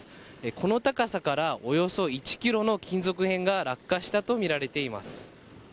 この高さからおよそ１ｋｇの金属片が落下したとみられています。